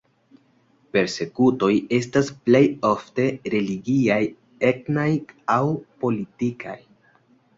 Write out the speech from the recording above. Persekutoj estas plej ofte religiaj, etnaj aŭ politikaj.